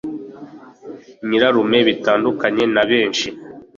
nyirarume, bitandukanye na benshi